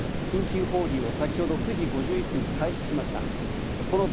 緊急放流を先ほど９時５１分に開始しました。